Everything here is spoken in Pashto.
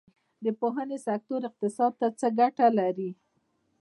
د پوهنې سکتور اقتصاد ته څه ګټه لري؟